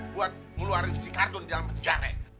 buat ngeluarin si cardun di penjara